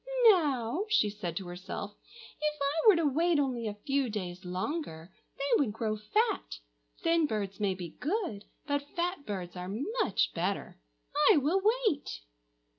"Now," she said to herself, "if I were to wait only a few days longer, they would grow fat. Thin birds may be good, but fat birds are much better. I will wait!"